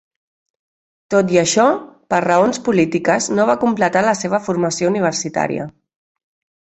Tot i això, per raons polítiques no va completar la seva formació universitària.